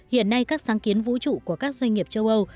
hiện nay các sáng kiến vũ trụ của các doanh nghiệp châu âu